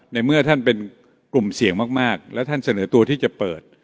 ในเมื่อท่านเป็นกลุ่มเสี่ยงมากแล้วท่านเสนอตัวที่จะเปิด